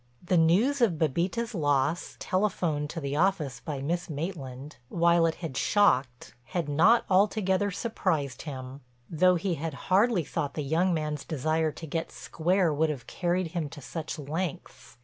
The news of Bébita's loss, telephoned to the office by Miss Maitland, while it had shocked, had not altogether surprised him, though he had hardly thought the young man's desire to get square would have carried him to such lengths.